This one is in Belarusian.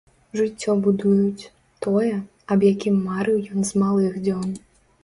Жыццё будуюць, тое, аб якім марыў ён з малых дзён.